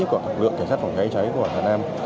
của lực lượng cảnh sát phòng cháy cháy của hà nam